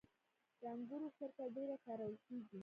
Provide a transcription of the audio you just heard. د انګورو سرکه ډیره کارول کیږي.